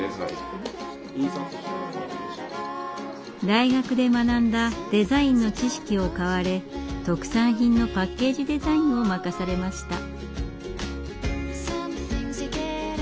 大学で学んだデザインの知識を買われ特産品のパッケージデザインを任されました。